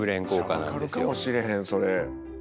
分かるかもしれへんそれ。